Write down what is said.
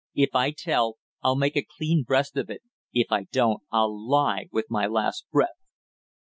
If I tell, I'll make a clean breast of it; if I don't I'll lie with my last breath!"